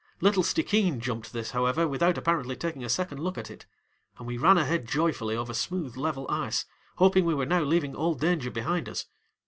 Little Stickeen jumped this, however, without apparently taking a second look at it, and we ran ahead joyfully over smooth, level ice, hoping we were now leaving all danger behind us.